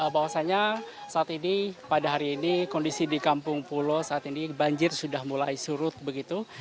bahwasannya saat ini pada hari ini kondisi di kampung pulo saat ini banjir sudah mulai surut begitu